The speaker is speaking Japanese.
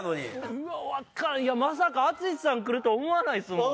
うわあまさか淳さん来ると思わないですもん。